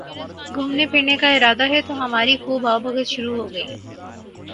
گھومنے پھرنے کا ارادہ ہے تو ہماری خوب آؤ بھگت شروع ہو گئی